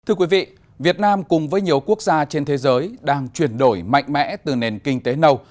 thưa quý vị việt nam cùng với nhiều quốc gia trên thế giới đang chuyển đổi mạnh mẽ từ nền kinh tế nâu